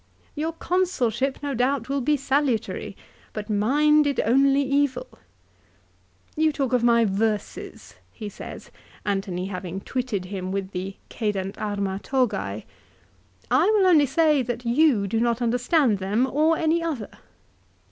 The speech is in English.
" Your Consulship no doubt will be salutary ; but mine did only evil ! You talk of my verses," he says, Antony having twitted him with the " cedant arma togse." " I will only say that you do not understand them or any other.